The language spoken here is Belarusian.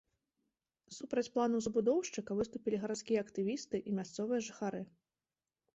Супраць планаў забудоўшчыка выступілі гарадскія актывісты і мясцовыя жыхары.